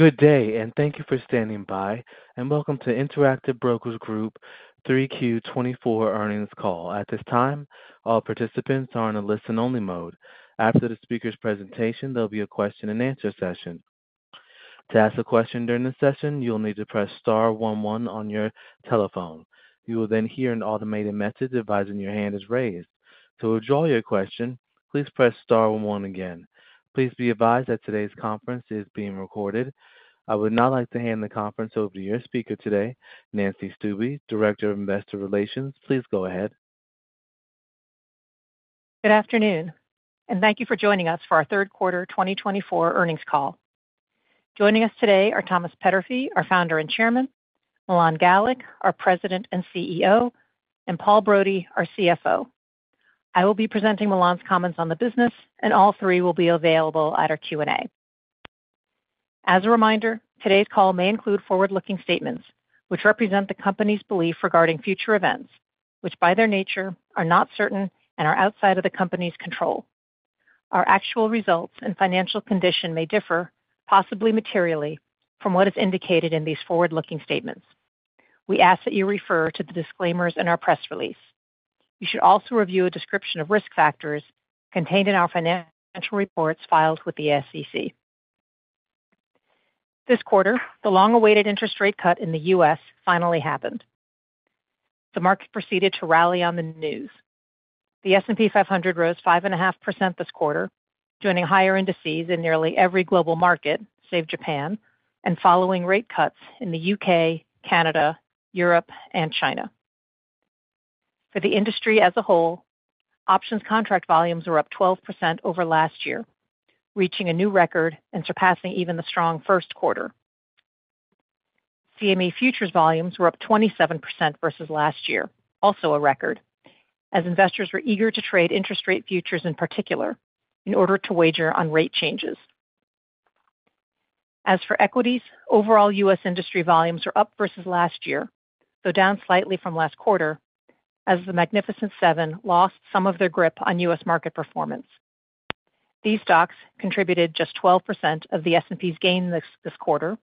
Good day, and thank you for standing by, and welcome to Interactive Brokers Group 3Q 2024 earnings call. At this time, all participants are in a listen-only mode. After the speaker's presentation, there'll be a question-and-answer session. To ask a question during the session, you'll need to press star one one on your telephone. You will then hear an automated message advising your hand is raised. To withdraw your question, please press star one one again. Please be advised that today's conference is being recorded. I would now like to hand the conference over to your speaker today, Nancy Stuebe, Director of Investor Relations. Please go ahead. Good afternoon, and thank you for joining us for our third quarter twenty twenty-four earnings call. Joining us today are Thomas Peterffy, our Founder and Chairman, Milan Galik, our President and CEO, and Paul Brody, our CFO. I will be presenting Milan's comments on the business, and all three will be available at our Q&A. As a reminder, today's call may include forward-looking statements which represent the company's belief regarding future events, which, by their nature, are not certain and are outside of the company's control. Our actual results and financial condition may differ, possibly materially, from what is indicated in these forward-looking statements. We ask that you refer to the disclaimers in our press release. You should also review a description of risk factors contained in our financial reports filed with the SEC. This quarter, the long-awaited interest rate cut in the U.S. finally happened. The market proceeded to rally on the news. The S&P 500 rose 5.5% this quarter, joining higher indices in nearly every global market, save Japan, and following rate cuts in the U.K., Canada, Europe, and China. For the industry as a whole, options contract volumes were up 12% over last year, reaching a new record and surpassing even the strong first quarter. CME futures volumes were up 27% versus last year, also a record, as investors were eager to trade interest rate futures, in particular, in order to wager on rate changes. As for equities, overall U.S. industry volumes are up versus last year, though down slightly from last quarter, as the Magnificent Seven lost some of their grip on U.S. market performance. These stocks contributed just 12% of the S&P's gain this quarter,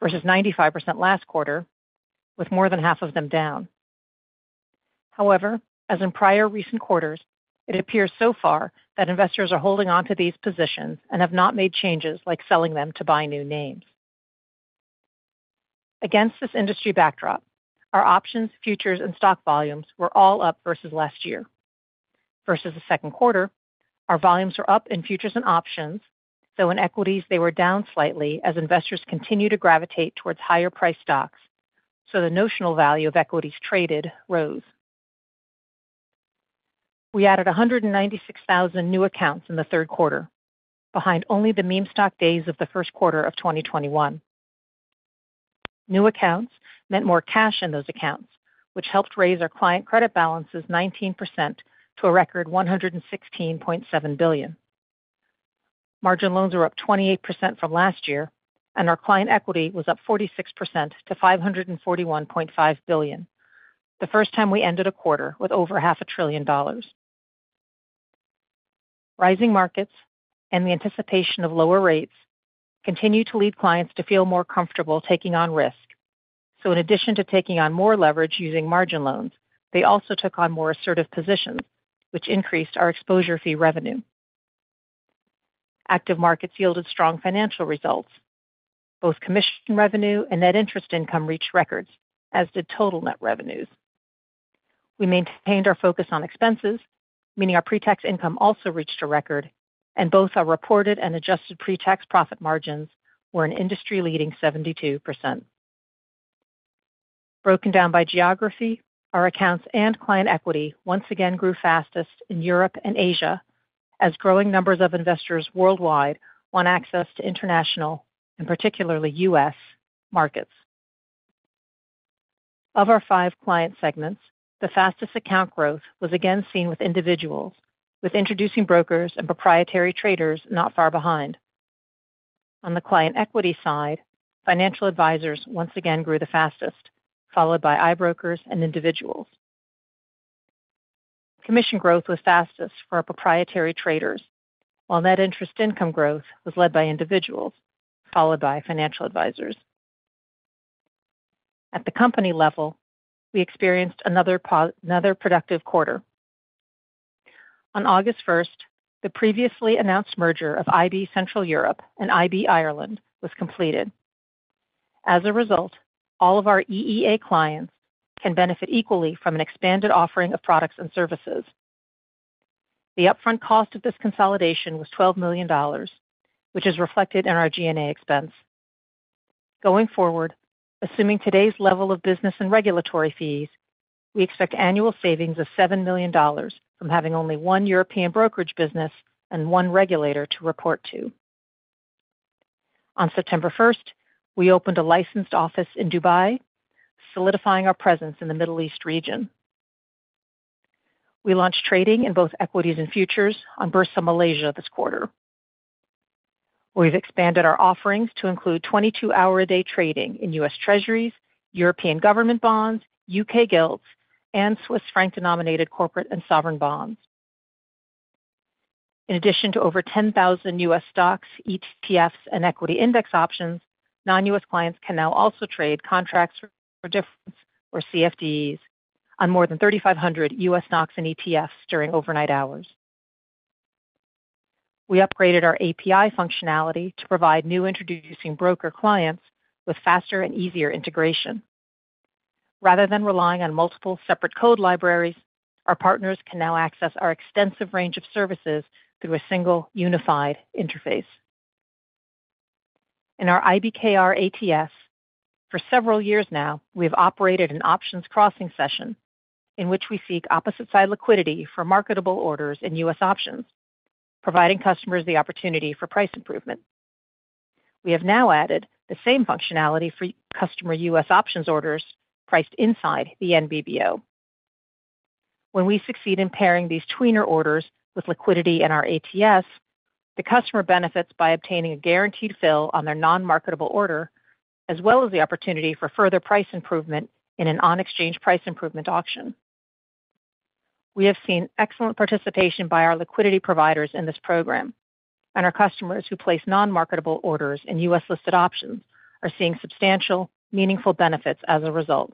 versus 95% last quarter, with more than half of them down. However, as in prior recent quarters, it appears so far that investors are holding on to these positions and have not made changes like selling them to buy new names. Against this industry backdrop, our options, futures, and stock volumes were all up versus last year. Versus the second quarter, our volumes are up in futures and options, though in equities they were down slightly as investors continue to gravitate towards higher priced stocks, so the notional value of equities traded rose. We added 196,000 new accounts in the third quarter, behind only the meme stock days of the first quarter of 2021. New accounts meant more cash in those accounts, which helped raise our client credit balances 19% to a record $116.7 billion. Margin loans were up 28% from last year, and our client equity was up 46% to $541.5 billion. The first time we ended a quarter with over $500 billion. Rising markets and the anticipation of lower rates continue to lead clients to feel more comfortable taking on risk. So in addition to taking on more leverage using margin loans, they also took on more assertive positions, which increased our exposure fee revenue. Active markets yielded strong financial results. Both commission revenue and net interest income reached records, as did total net revenues. We maintained our focus on expenses, meaning our pre-tax income also reached a record, and both our reported and adjusted pre-tax profit margins were an industry-leading 72%. Broken down by geography, our accounts and client equity once again grew fastest in Europe and Asia, as growing numbers of investors worldwide want access to international and particularly US markets. Of our five client segments, the fastest account growth was again seen with individuals, with introducing brokers and proprietary traders not far behind. On the client equity side, financial advisors once again grew the fastest, followed by I-Brokers and individuals. Commission growth was fastest for our proprietary traders, while net interest income growth was led by individuals, followed by financial advisors. At the company level, we experienced another productive quarter. On August first, the previously announced merger of IB Central Europe and IB Ireland was completed. As a result, all of our EEA clients can benefit equally from an expanded offering of products and services. The upfront cost of this consolidation was $12 million, which is reflected in our G&A expense. Going forward, assuming today's level of business and regulatory fees, we expect annual savings of $7 million from having only one European brokerage business and one regulator to report to. On September first, we opened a licensed office in Dubai, solidifying our presence in the Middle East region. We launched trading in both equities and futures on Bursa Malaysia this quarter. We've expanded our offerings to include 22-hour-a-day trading in U.S. Treasuries, European government bonds, U.K. Gilts, and Swiss franc-denominated corporate and sovereign bonds. In addition to over 10,000 U.S. stocks, ETFs, and equity index options, non-US clients can now also trade contracts for difference, or CFDs, on more than 3,500 U.S. stocks and ETFs during overnight hours. We upgraded our API functionality to provide new introducing broker clients with faster and easier integration. Rather than relying on multiple separate code libraries, our partners can now access our extensive range of services through a single unified interface. In our IBKR ATS, for several years now, we have operated an options crossing session in which we seek opposite side liquidity for marketable orders in U.S. options, providing customers the opportunity for price improvement. We have now added the same functionality for customer U.S. options orders priced inside the NBBO. When we succeed in pairing these tweener orders with liquidity in our ATS, the customer benefits by obtaining a guaranteed fill on their non-marketable order, as well as the opportunity for further price improvement in an on-exchange price improvement auction. We have seen excellent participation by our liquidity providers in this program, and our customers who place non-marketable orders in U.S.-listed options are seeing substantial, meaningful benefits as a result.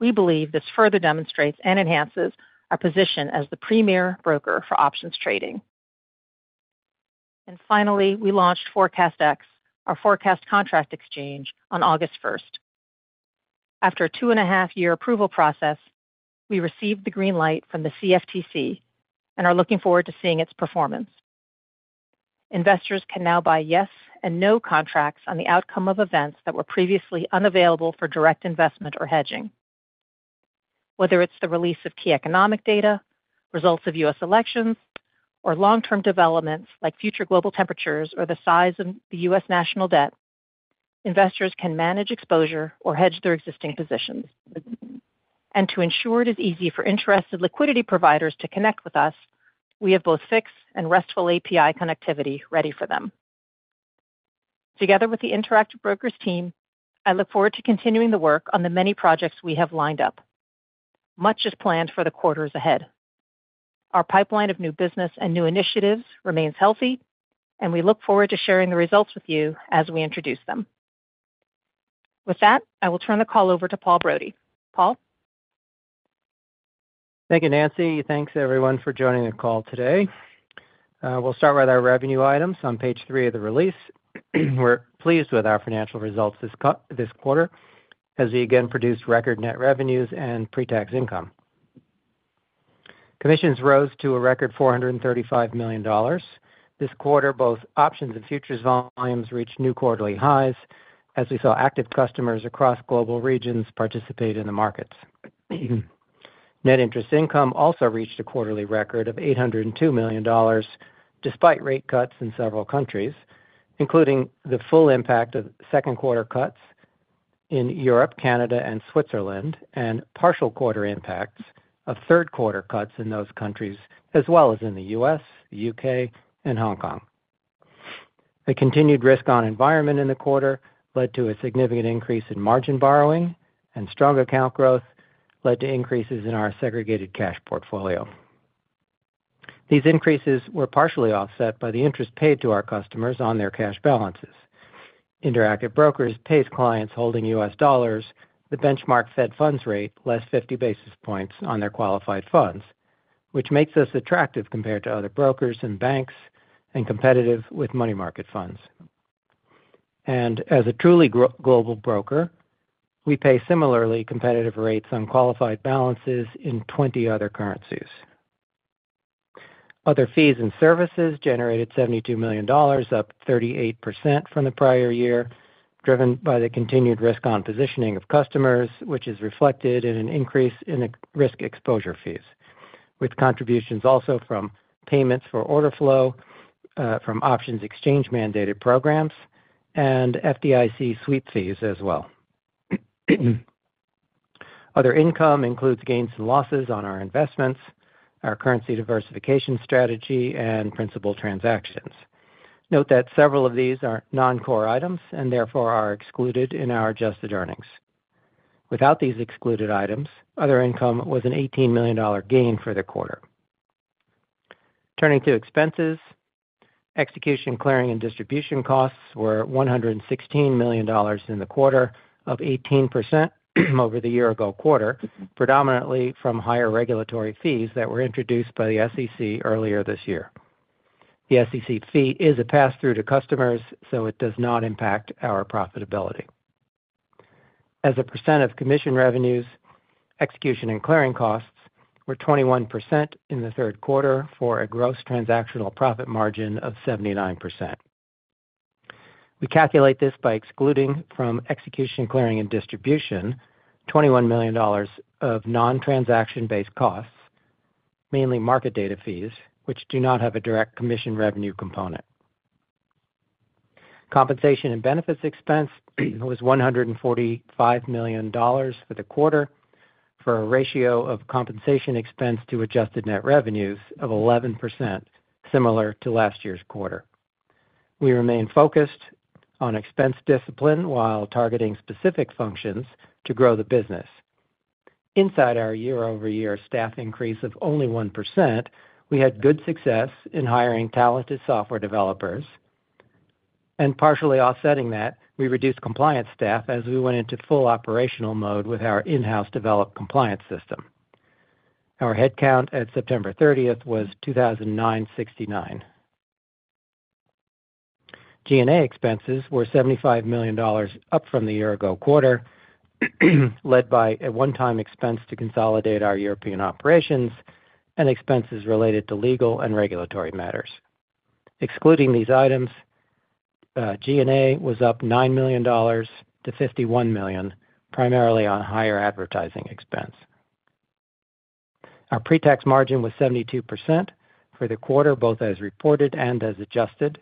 We believe this further demonstrates and enhances our position as the premier broker for options trading. And finally, we launched ForecastEx, our forecast contract exchange, on August first. After a two-and-a-half-year approval process, we received the green light from the CFTC and are looking forward to seeing its performance. Investors can now buy yes and no contracts on the outcome of events that were previously unavailable for direct investment or hedging. Whether it's the release of key economic data, results of U.S. elections, or long-term developments like future global temperatures or the size of the U.S. national debt, investors can manage exposure or hedge their existing positions. And to ensure it is easy for interested liquidity providers to connect with us, we have both FIX and RESTful API connectivity ready for them. Together with the Interactive Brokers team, I look forward to continuing the work on the many projects we have lined up. Much is planned for the quarters ahead. Our pipeline of new business and new initiatives remains healthy, and we look forward to sharing the results with you as we introduce them. With that, I will turn the call over to Paul Brody. Paul? Thank you, Nancy. Thanks, everyone, for joining the call today. We'll start with our revenue items on page three of the release. We're pleased with our financial results this quarter, as we again produced record net revenues and pretax income. Commissions rose to a record $435 million. This quarter, both options and futures volumes reached new quarterly highs as we saw active customers across global regions participate in the markets. Net interest income also reached a quarterly record of $802 million, despite rate cuts in several countries, including the full impact of second quarter cuts in Europe, Canada, and Switzerland, and partial quarter impacts of third quarter cuts in those countries, as well as in the U.S., U.K., and Hong Kong. The continued risk-on environment in the quarter led to a significant increase in margin borrowing, and strong account growth led to increases in our segregated cash portfolio. These increases were partially offset by the interest paid to our customers on their cash balances. Interactive Brokers pays clients holding U.S. dollars the benchmark Fed funds rate, less fifty basis points on their qualified funds, which makes us attractive compared to other brokers and banks and competitive with money market funds, and as a truly global broker, we pay similarly competitive rates on qualified balances in twenty other currencies. Other fees and services generated $72 million, up 38% from the prior year, driven by the continued risk-on positioning of customers, which is reflected in an increase in risk exposure fees, with contributions also from payments for order flow from options exchange-mandated programs and FDIC sweep fees as well. Other income includes gains and losses on our investments, our currency diversification strategy, and principal transactions. Note that several of these are non-core items and therefore are excluded in our adjusted earnings. Without these excluded items, other income was an $18 million gain for the quarter. Turning to expenses, execution, clearing, and distribution costs were $116 million in the quarter, up 18% over the year-ago quarter, predominantly from higher regulatory fees that were introduced by the SEC earlier this year. The SEC fee is a pass-through to customers, so it does not impact our profitability. As a % of commission revenues, execution and clearing costs were 21% in the third quarter for a gross transactional profit margin of 79%. We calculate this by excluding from execution, clearing, and distribution, $21 million of non-transaction-based costs, mainly market data fees, which do not have a direct commission revenue component. Compensation and benefits expense was $145 million for the quarter, for a ratio of compensation expense to adjusted net revenues of 11%, similar to last year's quarter. We remain focused on expense discipline while targeting specific functions to grow the business. Inside our year-over-year staff increase of only 1%, we had good success in hiring talented software developers, and partially offsetting that, we reduced compliance staff as we went into full operational mode with our in-house developed compliance system. Our headcount at September thirtieth was 2,969. G&A expenses were $75 million, up from the year ago quarter, led by a one-time expense to consolidate our European operations and expenses related to legal and regulatory matters. Excluding these items, G&A was up $9 million to $51 million, primarily on higher advertising expense. Our pre-tax margin was 72% for the quarter, both as reported and as adjusted.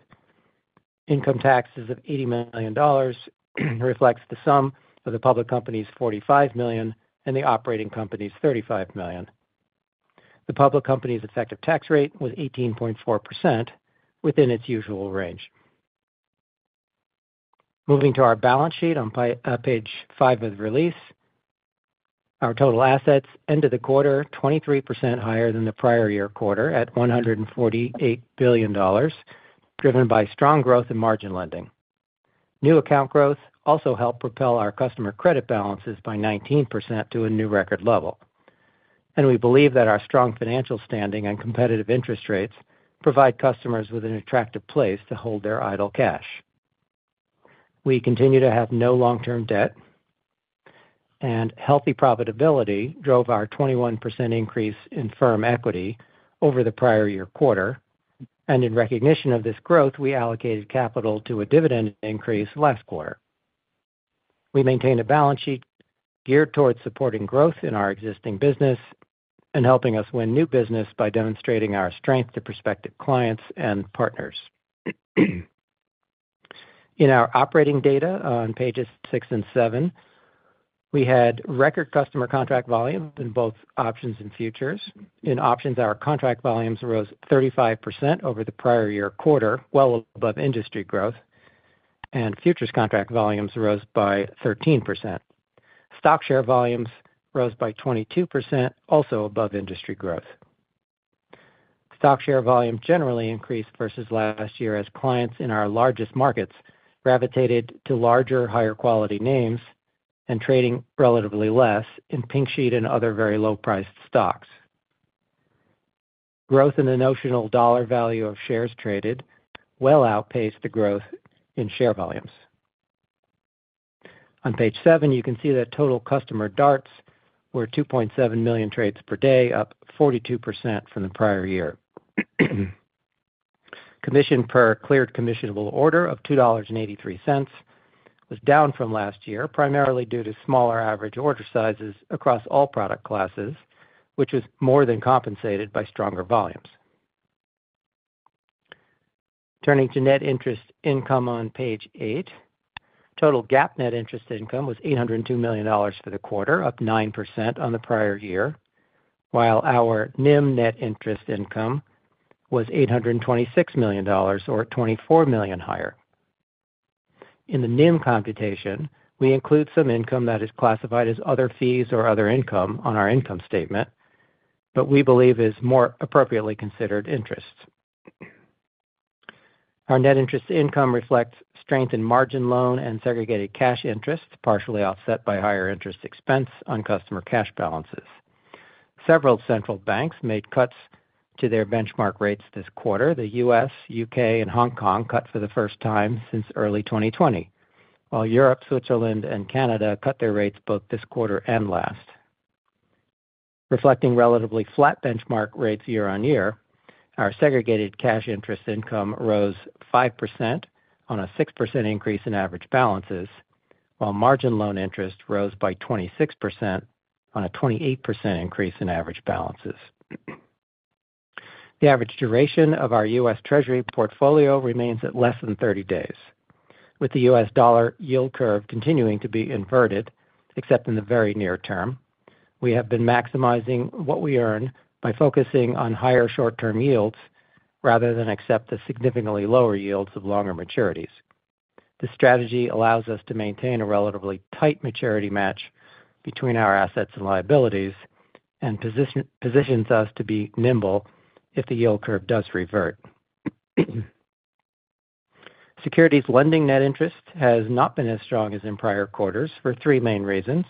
Income taxes of $80 million reflects the sum of the public company's $45 million and the operating company's $35 million. The public company's effective tax rate was 18.4% within its usual range. Moving to our balance sheet on page five of the release. Our total assets ended the quarter 23% higher than the prior year quarter, at $148 billion, driven by strong growth in margin lending. New account growth also helped propel our customer credit balances by 19% to a new record level, and we believe that our strong financial standing and competitive interest rates provide customers with an attractive place to hold their idle cash. We continue to have no long-term debt, and healthy profitability drove our 21% increase in firm equity over the prior year quarter, and in recognition of this growth, we allocated capital to a dividend increase last quarter. We maintained a balance sheet geared towards supporting growth in our existing business and helping us win new business by demonstrating our strength to prospective clients and partners. In our operating data on pages six and seven, we had record customer contract volumes in both options and futures. In options, our contract volumes rose 35% over the prior year quarter, well above industry growth, and futures contract volumes rose by 13%. Stock share volumes rose by 22%, also above industry growth. Stock share volume generally increased versus last year as clients in our largest markets gravitated to larger, higher quality names and trading relatively less in Pink Sheet and other very low-priced stocks. Growth in the notional dollar value of shares traded well outpaced the growth in share volumes. On page seven, you can see that total customer DARTs were 2.7 million trades per day, up 42% from the prior year. Commission per cleared commissionable order of $2.83 was down from last year, primarily due to smaller average order sizes across all product classes, which was more than compensated by stronger volumes. Turning to net interest income on page eight, total GAAP net interest income was $802 million for the quarter, up 9% on the prior year, while our NIM net interest income was $826 million or $24 million higher. In the NIM computation, we include some income that is classified as other fees or other income on our income statement, but we believe is more appropriately considered interest. Our net interest income reflects strength in margin loan and segregated cash interests, partially offset by higher interest expense on customer cash balances. Several central banks made cuts to their benchmark rates this quarter. The U.S., U.K., and Hong Kong cut for the first time since early 2020, while Europe, Switzerland, and Canada cut their rates both this quarter and last. Reflecting relatively flat benchmark rates year on year, our segregated cash interest income rose 5% on a 6% increase in average balances, while margin loan interest rose by 26% on a 28% increase in average balances. The average duration of our U.S. Treasury portfolio remains at less than 30 days. With the U.S. dollar yield curve continuing to be inverted, except in the very near term, we have been maximizing what we earn by focusing on higher short-term yields rather than accept the significantly lower yields of longer maturities. This strategy allows us to maintain a relatively tight maturity match between our assets and liabilities, and positions us to be nimble if the yield curve does revert. Securities lending net interest has not been as strong as in prior quarters for three main reasons.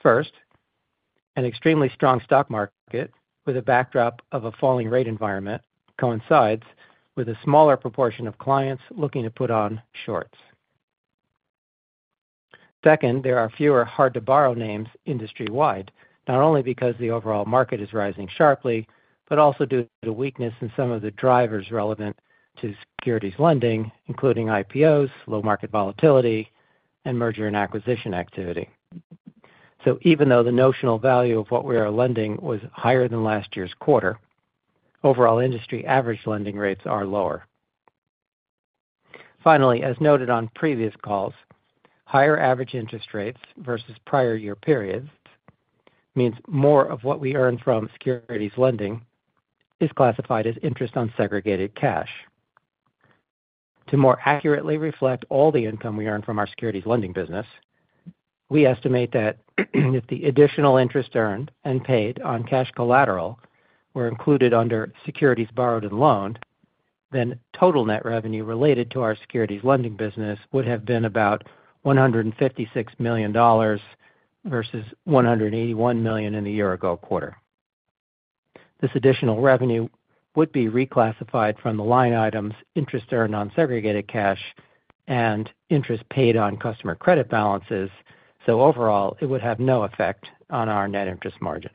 First, an extremely strong stock market with a backdrop of a falling rate environment coincides with a smaller proportion of clients looking to put on shorts. Second, there are fewer hard-to-borrow names industry-wide, not only because the overall market is rising sharply, but also due to the weakness in some of the drivers relevant to securities lending, including IPOs, low market volatility, and merger and acquisition activity. So even though the notional value of what we are lending was higher than last year's quarter, overall industry average lending rates are lower. Finally, as noted on previous calls, higher average interest rates versus prior year periods means more of what we earn from securities lending is classified as interest on segregated cash. To more accurately reflect all the income we earn from our securities lending business, we estimate that if the additional interest earned and paid on cash collateral were included under securities borrowed and loaned, then total net revenue related to our securities lending business would have been about $156 million versus $181 million in the year-ago quarter. This additional revenue would be reclassified from the line items, interest earned on segregated cash and interest paid on customer credit balances, so overall, it would have no effect on our net interest margin.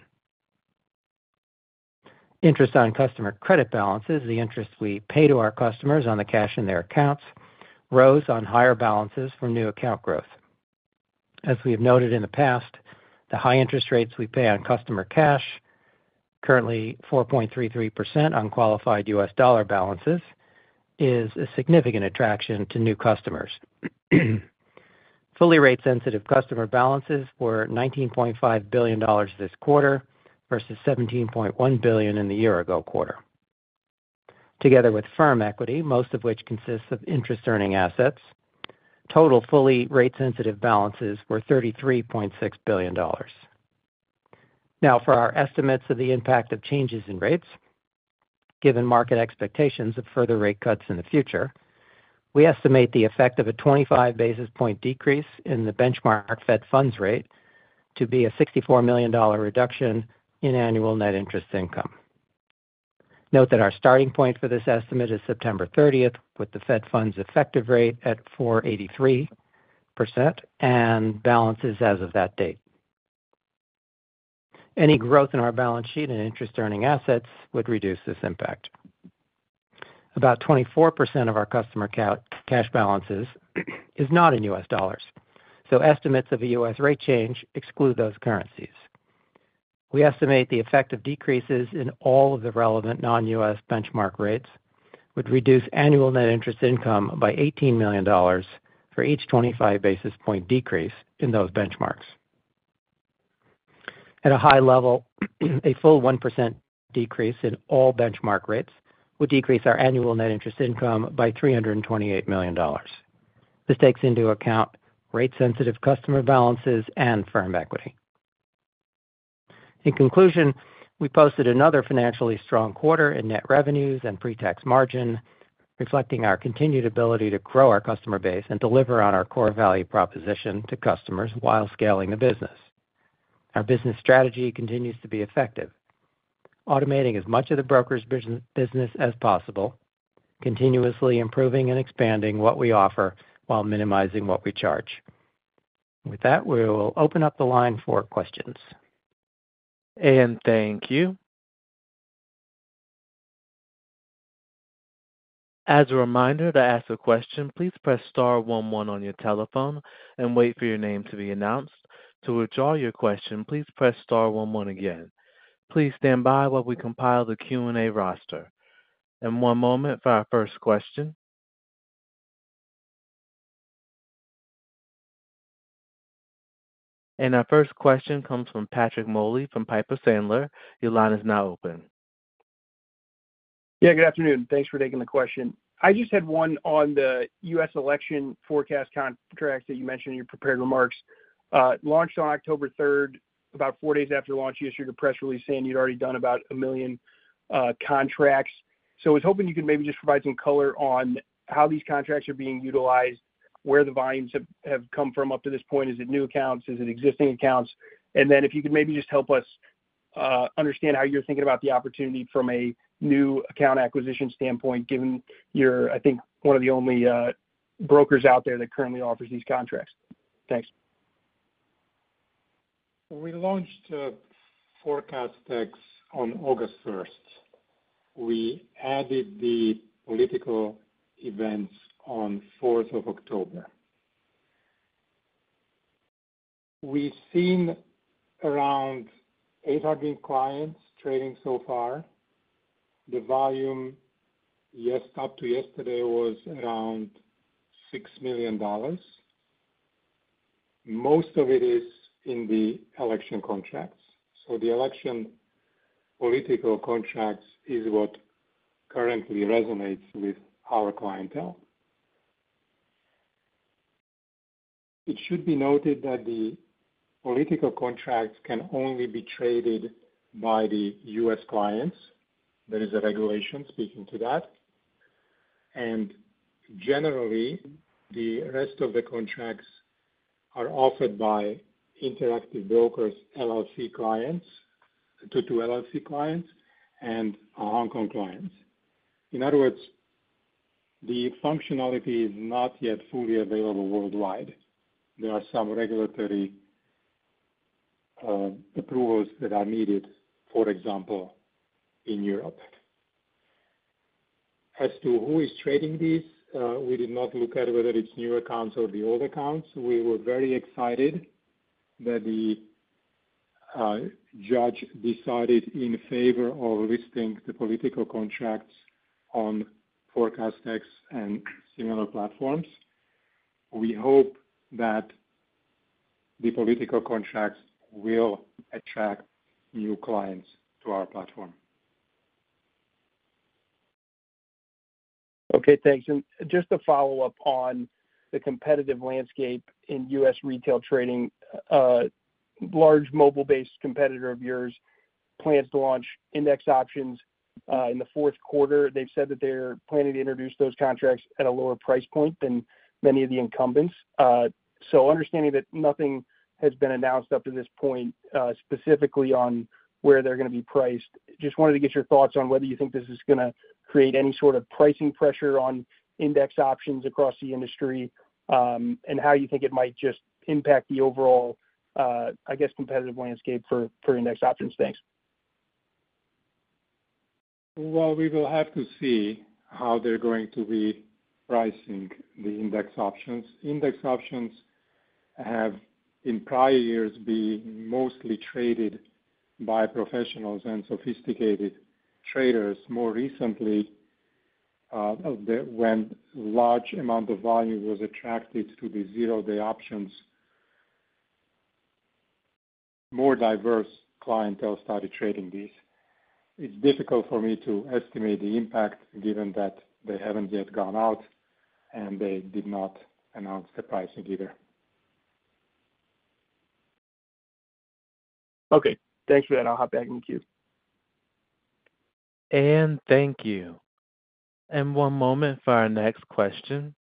Interest on customer credit balances, the interest we pay to our customers on the cash in their accounts, rose on higher balances from new account growth. As we have noted in the past, the high interest rates we pay on customer cash, currently 4.33% on qualified U.S. dollar balances, is a significant attraction to new customers. Fully rate-sensitive customer balances were $19.5 billion this quarter versus $17.1 billion in the year ago quarter. Together with firm equity, most of which consists of interest-earning assets, total fully rate-sensitive balances were $33.6 billion. Now, for our estimates of the impact of changes in rates, given market expectations of further rate cuts in the future, we estimate the effect of a 25 basis point decrease in the benchmark Fed funds rate to be a $64 million reduction in annual net interest income. Note that our starting point for this estimate is September thirtieth, with the Fed funds effective rate at 4.83% and balances as of that date. Any growth in our balance sheet and interest earning assets would reduce this impact. About 24% of our customers' cash balances is not in U.S. dollars, so estimates of a U.S. rate change exclude those currencies. We estimate the effect of decreases in all of the relevant non-U.S. benchmark rates would reduce annual net interest income by $18 million for each 25 basis point decrease in those benchmarks. At a high level, a full 1% decrease in all benchmark rates would decrease our annual net interest income by $328 million. This takes into account rate-sensitive customer balances and firm equity. In conclusion, we posted another financially strong quarter in net revenues and pre-tax margin, reflecting our continued ability to grow our customer base and deliver on our core value proposition to customers while scaling the business. Our business strategy continues to be effective, automating as much of the broker's business as possible, continuously improving and expanding what we offer while minimizing what we charge. With that, we will open up the line for questions. And thank you. As a reminder, to ask a question, please press star one one on your telephone and wait for your name to be announced. To withdraw your question, please press star one one again. Please stand by while we compile the Q&A roster. And one moment for our first question. And our first question comes from Patrick Moley from Piper Sandler. Your line is now open. Yeah, good afternoon. Thanks for taking the question. I just had one on the U.S. election forecast contracts that you mentioned in your prepared remarks. It launched on October third. About four days after launch, you issued a press release saying you'd already done about a million contracts. So I was hoping you could maybe just provide some color on how these contracts are being utilized, where the volumes have come from up to this point. Is it new accounts? Is it existing accounts? And then if you could maybe just help us understand how you're thinking about the opportunity from a new account acquisition standpoint, given you're, I think, one of the only brokers out there that currently offers these contracts. Thanks. We launched ForecastEx on August first. We added the political events on fourth of October. We've seen around 800 clients trading so far. The volume up to yesterday was around $6 million. Most of it is in the election contracts, so the election political contracts is what currently resonates with our clientele. It should be noted that the political contracts can only be traded by the U.S. clients. There is a regulation speaking to that. And generally, the rest of the contracts are offered by Interactive Brokers LLC clients to LLC clients and our Hong Kong clients. In other words, the functionality is not yet fully available worldwide. There are some regulatory approvals that are needed, for example, in Europe. As to who is trading this, we did not look at whether it's new accounts or the old accounts. We were very excited that the judge decided in favor of listing the political contracts on ForecastEx and similar platforms. We hope that the political contracts will attract new clients to our platform. Okay, thanks. And just to follow up on the competitive landscape in U.S. retail trading, large mobile-based competitor of yours plans to launch index options in the fourth quarter. They've said that they're planning to introduce those contracts at a lower price point than many of the incumbents. So understanding that nothing has been announced up to this point, specifically on where they're gonna be priced, just wanted to get your thoughts on whether you think this is gonna create any sort of pricing pressure on index options across the industry, and how you think it might just impact the overall, I guess, competitive landscape for index options. Thanks. We will have to see how they're going to be pricing the index options. Index options have, in prior years, been mostly traded by professionals and sophisticated traders. More recently, when large amount of volume was attracted to the zero day options, more diverse clientele started trading these. It's difficult for me to estimate the impact, given that they haven't yet gone out, and they did not announce the pricing either. Okay. Thank you, and I'll hop back in queue. Thank you. One moment for our next question.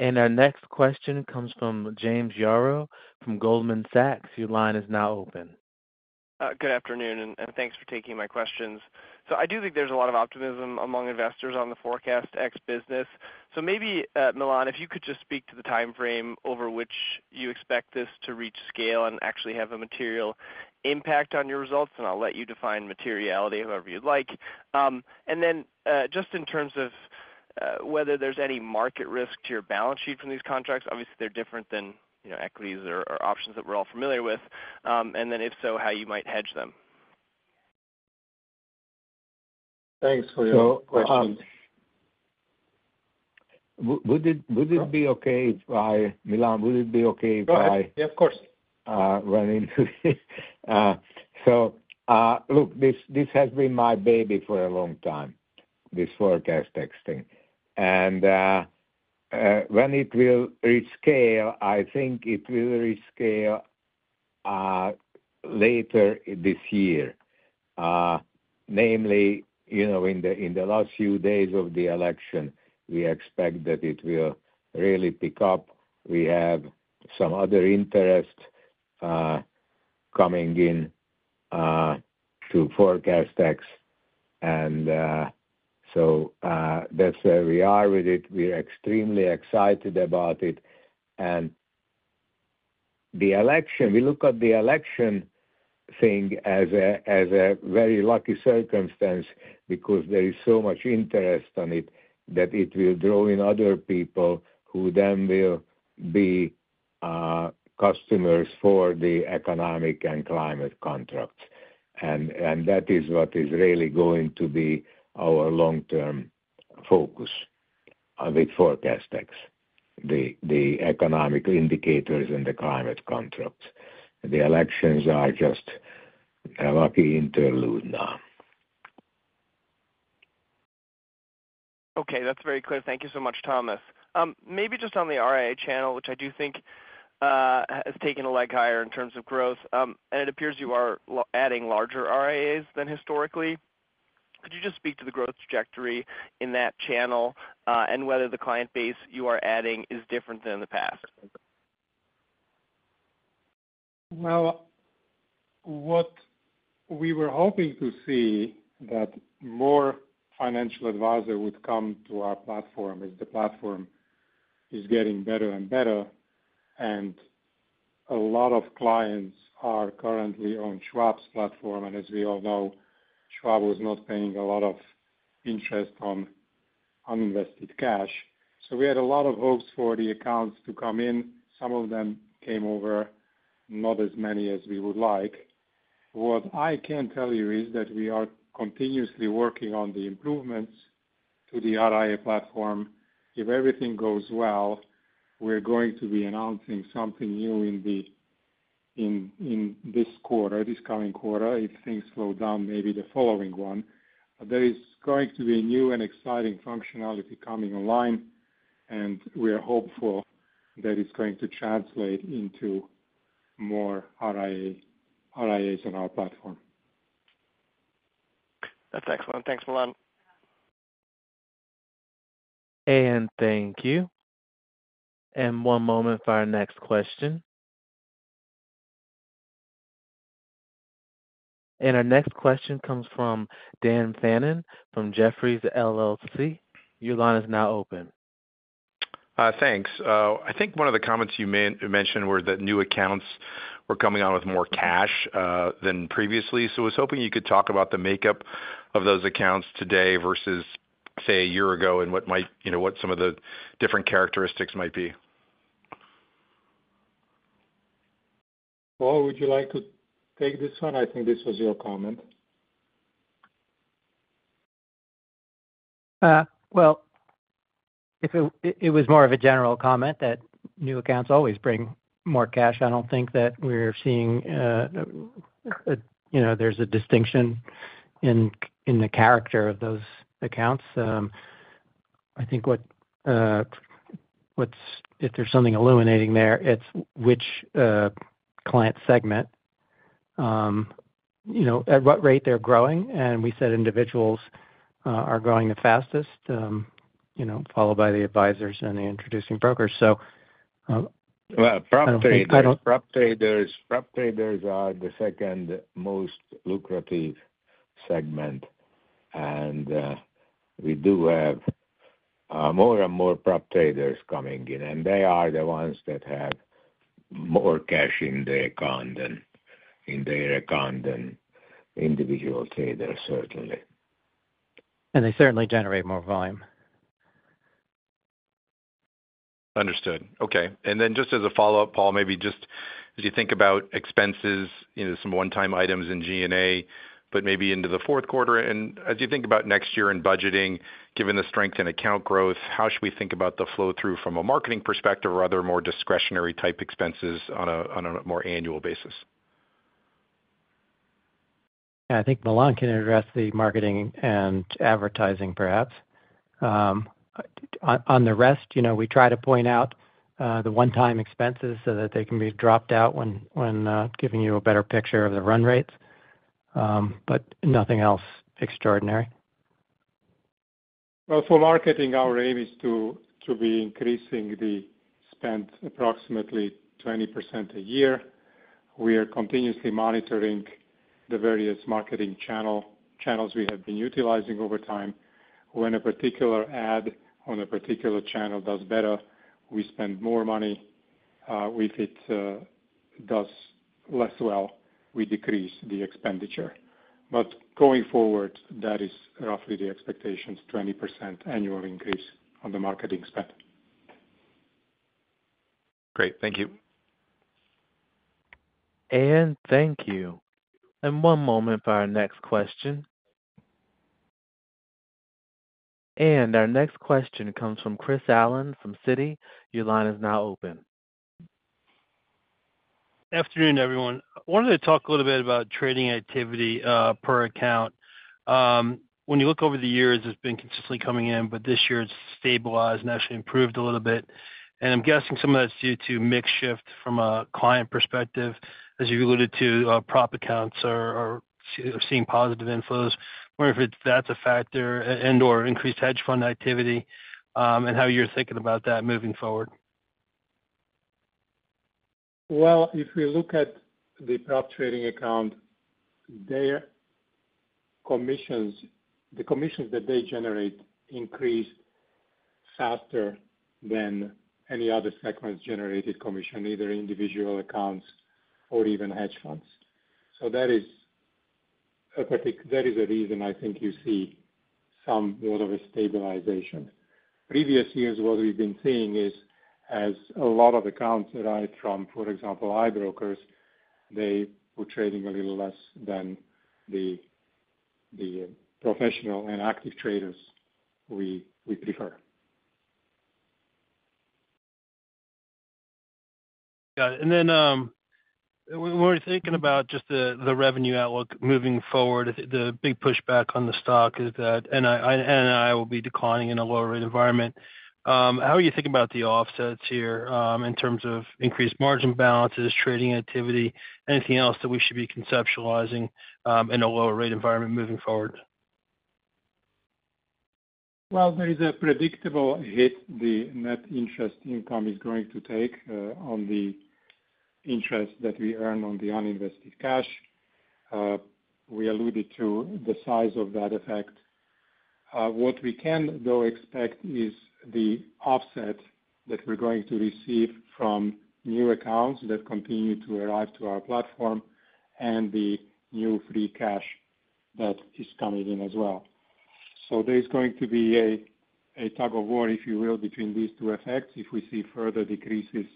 Our next question comes from James Yaro from Goldman Sachs. Your line is now open. Good afternoon, and thanks for taking my questions. I do think there's a lot of optimism among investors on the ForecastEx business. Maybe, Milan, if you could just speak to the timeframe over which you expect this to reach scale and actually have a material impact on your results, and I'll let you define materiality however you'd like. And then, just in terms of whether there's any market risk to your balance sheet from these contracts, obviously, they're different than, you know, equities or options that we're all familiar with. And then if so, how you might hedge them? Thanks for your question. Would it be okay if I... Milan, would it be okay if I- Go ahead. Yeah, of course. Run into this? So, look, this, this has been my baby for a long time, this ForecastEx thing. And, when it will reach scale, I think it will reach scale, later this year. Namely, you know, in the last few days of the election, we expect that it will really pick up. We have some other interest coming in to ForecastEx. And, so, that's where we are with it. We're extremely excited about it. And the election, we look at the election thing as a very lucky circumstance, because there is so much interest on it, that it will draw in other people who then will be customers for the economic and climate contracts. That is what is really going to be our long-term focus with ForecastEx, the economic indicators and the climate contracts. The elections are just a lucky interlude now. Okay. That's very clear. Thank you so much, Thomas. Maybe just on the RIA channel, which I do think has taken a leg higher in terms of growth, and it appears you are adding larger RIAs than historically. Could you just speak to the growth trajectory in that channel, and whether the client base you are adding is different than in the past? What we were hoping to see, that more financial advisor would come to our platform, as the platform is getting better and better, and a lot of clients are currently on Schwab's platform. And as we all know, Schwab is not paying a lot of interest on uninvested cash. So we had a lot of hopes for the accounts to come in. Some of them came over, not as many as we would like. What I can tell you is that we are continuously working on the improvements to the RIA platform. If everything goes well, we're going to be announcing something new in this quarter, this coming quarter. If things slow down, maybe the following one. There is going to be new and exciting functionality coming online, and we are hopeful that it's going to translate into more RIA, RIAs on our platform. That's excellent. Thanks, Milan. Thank you. One moment for our next question. Our next question comes from Dan Fannon from Jefferies LLC. Your line is now open. Thanks. I think one of the comments you mentioned were that new accounts were coming on with more cash than previously. So I was hoping you could talk about the makeup of those accounts today versus, say, a year ago, and what might, you know, what some of the different characteristics might be.... Paul, would you like to take this one? I think this was your comment. It was more of a general comment that new accounts always bring more cash. I don't think that we're seeing, you know, there's a distinction in the character of those accounts. I think if there's something illuminating there, it's which client segment, you know, at what rate they're growing, and we said individuals are growing the fastest, you know, followed by the advisors and the introducing brokers. I don't think- Prop traders are the second most lucrative segment, and we do have more and more prop traders coming in, and they are the ones that have more cash in their account than individual traders, certainly. They certainly generate more volume. Understood. Okay, and then just as a follow-up, Paul, maybe just as you think about expenses, you know, some one-time items in G&A, but maybe into the fourth quarter, and as you think about next year in budgeting, given the strength in account growth, how should we think about the flow-through from a marketing perspective, or are there more discretionary type expenses on a more annual basis? I think Milan can address the marketing and advertising, perhaps. On the rest, you know, we try to point out the one-time expenses so that they can be dropped out when giving you a better picture of the run rates, but nothing else extraordinary. For marketing, our aim is to be increasing the spend approximately 20% a year. We are continuously monitoring the various marketing channels we have been utilizing over time. When a particular ad on a particular channel does better, we spend more money. If it does less well, we decrease the expenditure. But going forward, that is roughly the expectations, 20% annual increase on the marketing spend. Great, thank you. Thank you. One moment for our next question. Our next question comes from Chris Allen from Citi. Your line is now open. Afternoon, everyone. I wanted to talk a little bit about trading activity per account. When you look over the years, it's been consistently coming in, but this year it's stabilized and actually improved a little bit. And I'm guessing some of that's due to mix shift from a client perspective, as you alluded to, prop accounts are seeing positive inflows, wondering if that's a factor and/or increased hedge fund activity, and how you're thinking about that moving forward? If we look at the prop trading account, their commissions, the commissions that they generate increased faster than any other segments-generated commission, either individual accounts or even hedge funds. So that is a reason I think you see some more of a stabilization. Previous years, what we've been seeing is, as a lot of accounts arrive from, for example, Interactive Brokers, they were trading a little less than the professional and active traders we prefer. Got it. And then, when we're thinking about just the revenue outlook moving forward, the big pushback on the stock is that NI will be declining in a lower rate environment. How are you thinking about the offsets here, in terms of increased margin balances, trading activity, anything else that we should be conceptualizing, in a lower rate environment moving forward? Well, there is a predictable hit the net interest income is going to take on the interest that we earn on the uninvested cash. We alluded to the size of that effect. What we can, though, expect is the offset that we're going to receive from new accounts that continue to arrive to our platform and the new free cash that is coming in as well. So there is going to be a tug-of-war, if you will, between these two effects, if we see further decreases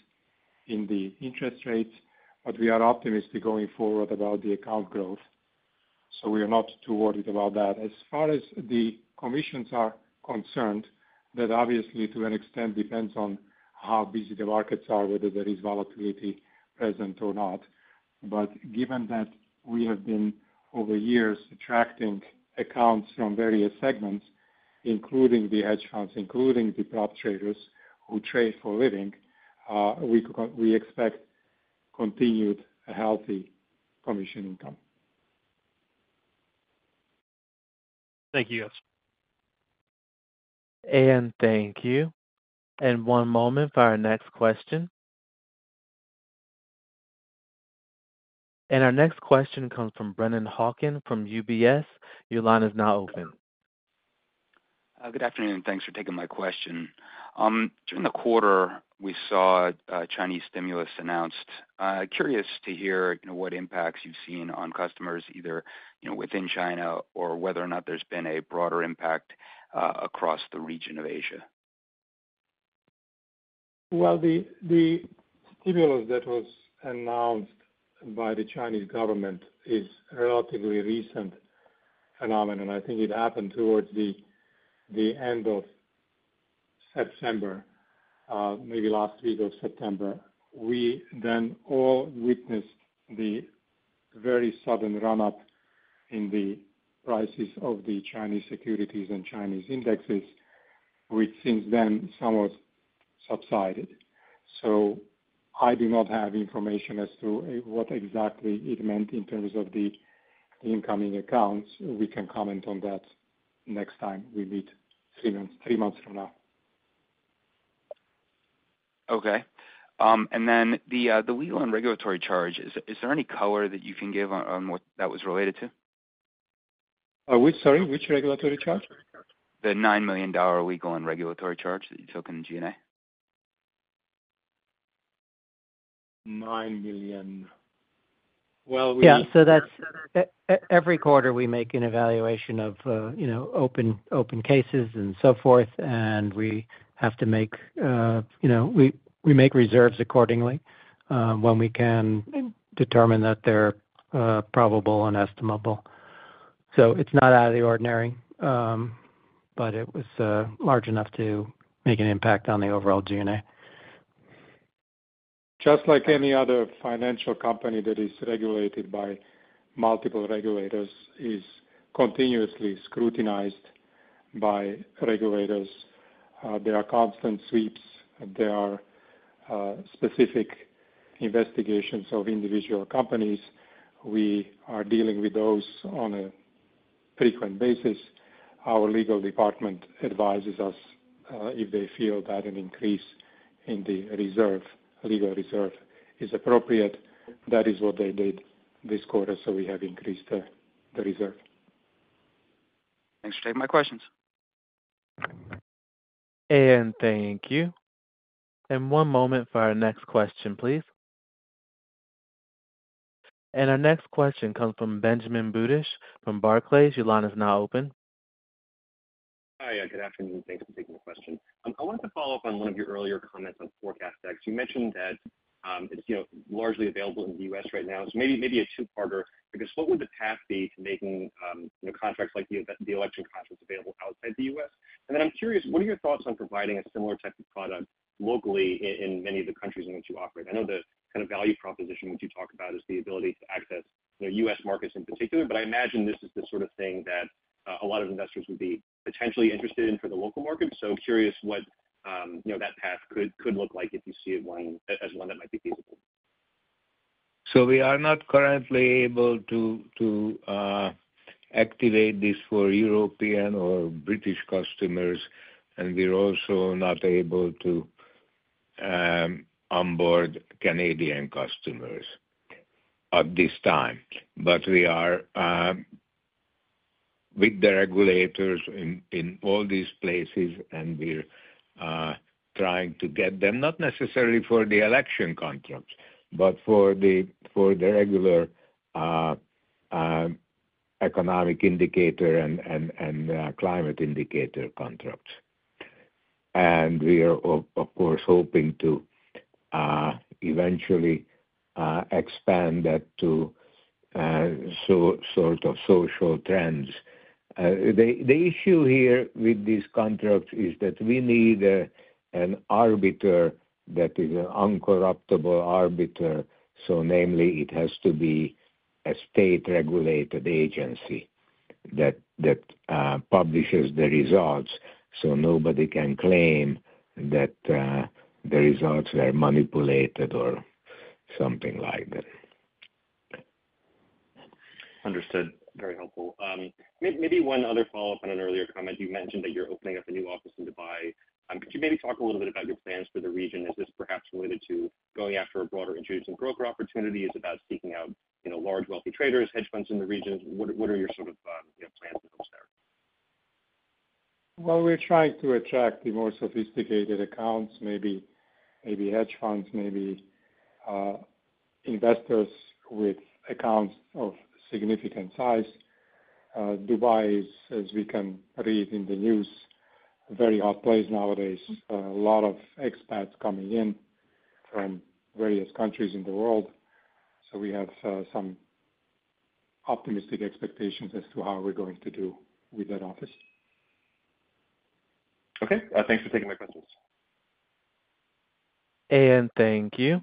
in the interest rates, but we are optimistic going forward about the account growth, so we are not too worried about that. As far as the commissions are concerned, that obviously, to an extent, depends on how busy the markets are, whether there is volatility present or not. But given that we have been, over years, attracting accounts from various segments, including the hedge funds, including the prop traders who trade for a living, we expect continued healthy commission income. Thank you, guys. Thank you. One moment for our next question. Our next question comes from Brennan Hawken from UBS. Your line is now open. Good afternoon, and thanks for taking my question. During the quarter, we saw Chinese stimulus announced. Curious to hear, you know, what impacts you've seen on customers, either, you know, within China, or whether or not there's been a broader impact across the region of Asia? The stimulus that was announced by the Chinese government is a relatively recent phenomenon. I think it happened towards the end of September, maybe last week of September. We then all witnessed the very sudden run-up in the prices of the Chinese securities and Chinese indexes, which since then somewhat subsided. I do not have information as to what exactly it meant in terms of the incoming accounts. We can comment on that next time we meet, three months from now. Okay. And then the legal and regulatory charge, is there any color that you can give on what that was related to? Sorry, which regulatory charge? The $9 million legal and regulatory charge that you took in G&A. Nine million. Well, we- Yeah, so that's every quarter we make an evaluation of, you know, open cases and so forth, and we have to make, you know, we make reserves accordingly, when we can determine that they're probable and estimable. So it's not out of the ordinary, but it was large enough to make an impact on the overall G&A. Just like any other financial company that is regulated by multiple regulators, is continuously scrutinized by regulators. There are constant sweeps. There are specific investigations of individual companies. We are dealing with those on a frequent basis. Our legal department advises us, if they feel that an increase in the reserve, legal reserve is appropriate. That is what they did this quarter, so we have increased the reserve. Thanks for taking my questions. And thank you. And one moment for our next question, please. And our next question comes from Benjamin Budish from Barclays. Your line is now open. Hi, good afternoon. Thank you for taking the question. I wanted to follow up on one of your earlier comments on ForecastEx. You mentioned that, it's, you know, largely available in the U.S. right now. So maybe, maybe a two-parter, because what would the path be to making, you know, contracts like the election contracts available outside the U.S.? And then I'm curious, what are your thoughts on providing a similar type of product locally in many of the countries in which you operate? I know the kind of value proposition, which you talk about, is the ability to access the U.S. markets in particular, but I imagine this is the sort of thing that a lot of investors would be potentially interested in for the local market. So I'm curious what, you know, that path could look like if you see it as one that might be feasible. So we are not currently able to activate this for European or British customers, and we're also not able to onboard Canadian customers at this time. But we are with the regulators in all these places, and we're trying to get them, not necessarily for the election contracts, but for the regular economic indicator and climate indicator contracts. And we are of course hoping to eventually expand that to sort of social trends. The issue here with this contract is that we need an arbiter that is an incorruptible arbiter, so namely, it has to be a state-regulated agency that publishes the results so nobody can claim that the results were manipulated or something like that. Understood. Very helpful. Maybe one other follow-up on an earlier comment. You mentioned that you're opening up a new office in Dubai. Could you maybe talk a little bit about your plans for the region? Is this perhaps related to going after a broader introducing broker opportunity? Is it about seeking out, you know, large, wealthy traders, hedge funds in the region? What are your sort of, you know, plans for those there? We're trying to attract the more sophisticated accounts, maybe, maybe hedge funds, maybe, investors with accounts of significant size. Dubai is, as we can read in the news, a very hot place nowadays. A lot of expats coming in from various countries in the world, so we have some optimistic expectations as to how we're going to do with that office. Okay. Thanks for taking my questions. Thank you.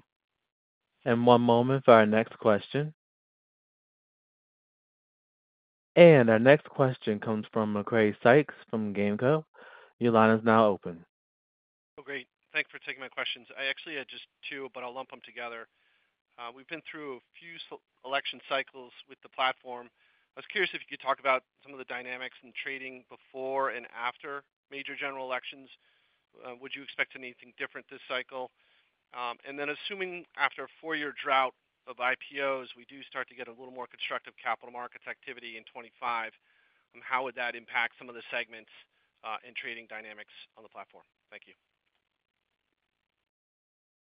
One moment for our next question. Our next question comes from Macrae Sykes from GAMCO Investors. Your line is now open. Oh, great. Thanks for taking my questions. I actually had just two, but I'll lump them together. We've been through a few election cycles with the platform. I was curious if you could talk about some of the dynamics in trading before and after major general elections. Would you expect anything different this cycle? And then assuming after a four-year drought of IPOs, we do start to get a little more constructive capital markets activity in twenty-five, how would that impact some of the segments, and trading dynamics on the platform? Thank you....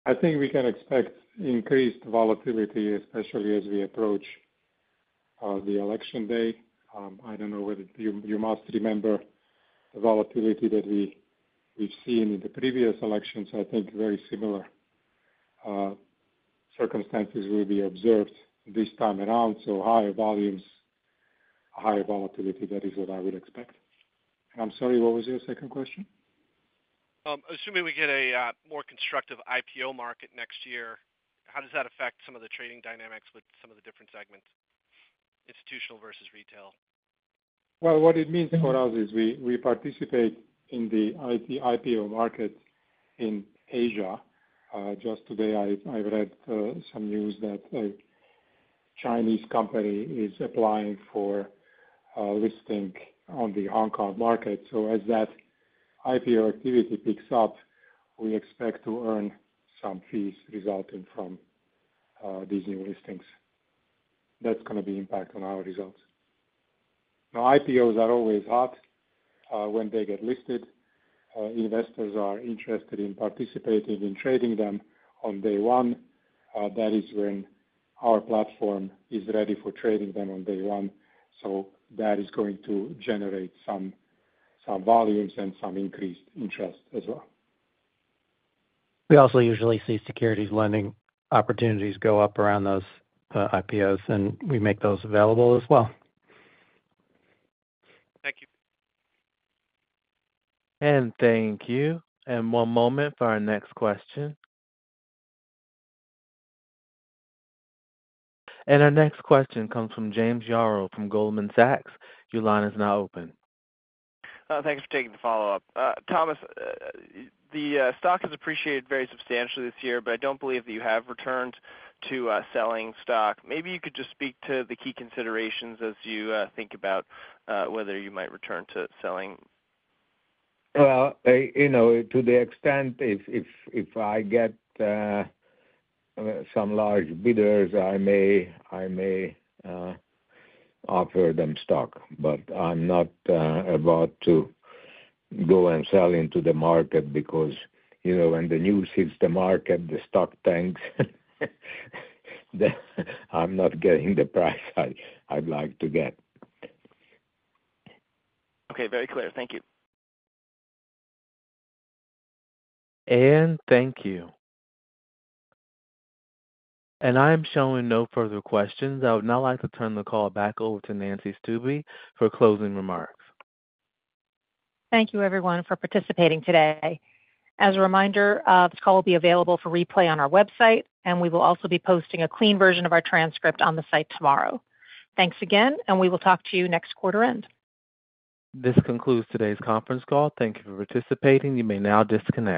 I think we can expect increased volatility, especially as we approach the election day. I don't know whether you must remember the volatility that we've seen in the previous elections. I think very similar circumstances will be observed this time around. So higher volumes, higher volatility, that is what I would expect, and I'm sorry, what was your second question? Assuming we get a more constructive IPO market next year, how does that affect some of the trading dynamics with some of the different segments, institutional versus retail? What it means for us is we participate in the IPO market in Asia. Just today, I read some news that a Chinese company is applying for a listing on the Hong Kong market. So as that IPO activity picks up, we expect to earn some fees resulting from these new listings. That's gonna be impact on our results. Now, IPOs are always hot when they get listed. Investors are interested in participating in trading them on day one. That is when our platform is ready for trading them on day one, so that is going to generate some volumes and some increased interest as well. We also usually see securities lending opportunities go up around those IPOs, and we make those available as well. Thank you. And thank you. And one moment for our next question. And our next question comes from James Yaro from Goldman Sachs. Your line is now open. Thanks for taking the follow-up. Thomas, the stock has appreciated very substantially this year, but I don't believe that you have returned to selling stock. Maybe you could just speak to the key considerations as you think about whether you might return to selling. Well, you know, to the extent if I get some large bidders, I may offer them stock, but I'm not about to go and sell into the market because, you know, when the news hits the market, the stock tanks. Then I'm not getting the price I'd like to get. Okay. Very clear. Thank you. Thank you. I'm showing no further questions. I would now like to turn the call back over to Nancy Stuebe for closing remarks. Thank you, everyone, for participating today. As a reminder, this call will be available for replay on our website, and we will also be posting a clean version of our transcript on the site tomorrow. Thanks again, and we will talk to you next quarter end. This concludes today's conference call. Thank you for participating. You may now disconnect.